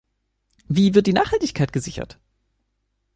Wie wird die Nachhaltigkeit gesichert?